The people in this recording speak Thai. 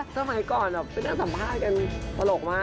สมัยก่อนไม่ได้สัมภาษณ์กันสลบมาก